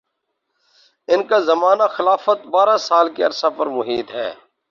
ان کا زمانہ خلافت بارہ سال کے عرصہ پر محیط ہے